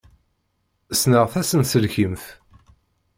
Ssneɣ tasenselkimt.